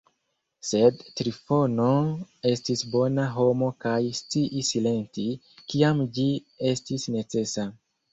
Sed Trifono estis bona homo kaj sciis silenti, kiam ĝi estis necesa.